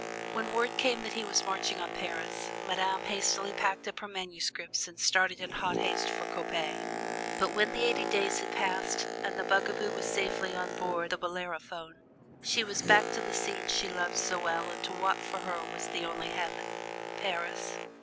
When word came that he was marching on Paris, Madame hastily packed up her manuscripts and started in hot haste for Coppet. But when the eighty days had passed and the bugaboo was safely on board the "Bellerophon," she came back to the scenes she loved so well and to what for her was the only heaven Paris.